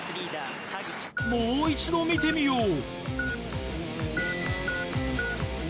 もう一度見てみよう。